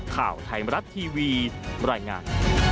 ข่าวไทยมรัฐทีวีบรรยายงาน